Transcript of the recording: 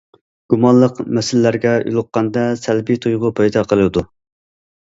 گۇمانلىق مەسىلىلەرگە يولۇققاندا سەلبىي تۇيغۇ پەيدا قىلىدۇ.